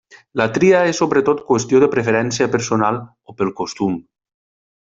La tria és sobretot qüestió de preferència personal o pel costum.